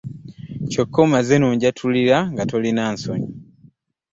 Kyokka omaze n'onjatulira nga tolina nsonyi.